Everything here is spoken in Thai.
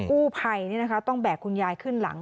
อู้ไผ่นี่นะคะต้องแบกคุณยายขึ้นหลัง